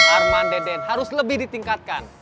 arman deden harus lebih ditingkatkan